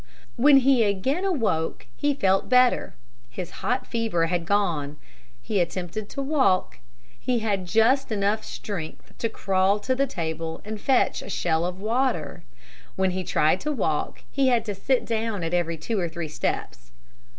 When he again awoke he felt better. His hot fever had gone. He attempted to walk. He had just enough strength to crawl to the table and fetch a shell of water. When he tried to walk he had to sit down at every two or three steps.